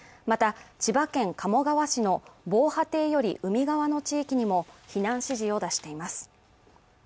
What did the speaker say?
また、千葉県鴨川市の防波堤より海側の地域にも避難指示を出しています。